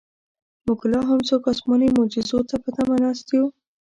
موږ لاهم څوک اسماني معجزو ته په تمه ناست یو.